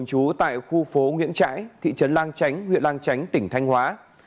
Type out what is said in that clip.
huyện lang chánh tỉnh thanh hóa